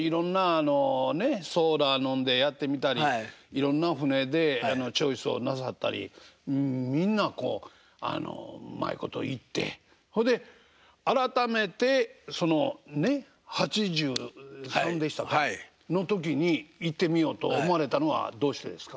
ソーラーのでやってみたりいろんな船でチョイスをなさったりみんなこううまいこといってほいで改めて８３でしたっけの時に行ってみようと思われたのはどうしてですか？